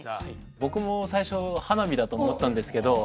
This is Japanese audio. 僕も最初花火だと思ったんですけど